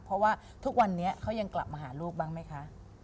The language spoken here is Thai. เพราะว่าทุกวันนี้เขายังกลับมาหาลูกบ้างไหมคะ